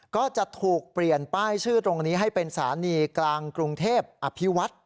ก็จะถูกเปลี่ยนป้ายชื่อตรงนี้ให้เป็นสถานีกลางกรุงเทพอภิวัฒน์